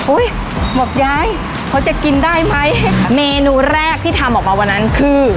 บอกยายเขาจะกินได้ไหมเมนูแรกที่ทำออกมาวันนั้นคือ